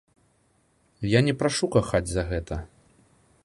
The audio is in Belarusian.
Я не прашу кахаць за гэта.